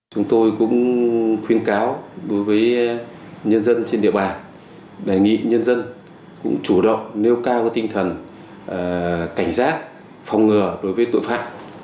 chúng tôi cũng khuyên cáo đối với nhân dân trên địa bàn đề nghị nhân dân cũng chủ động nêu cao tinh thần cảnh giác phòng ngừa đối với tội phạm